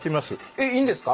えっいいんですか？